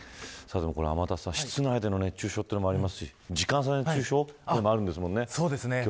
室内での熱中症というのもありますし時間差での熱中症もあるんですもんね。